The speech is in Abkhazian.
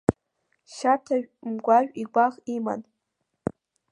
Шьаҭажә Мгәажә игәаӷ иман.